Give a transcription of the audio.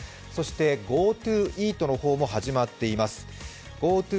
そしてＧｏＴｏイートの方も始まっています。